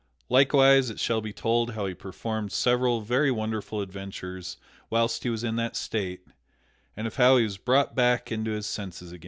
Likewise it shall be told how he performed several very wonderful adventures whilst he was in that state, and of how he was brought back into his senses again.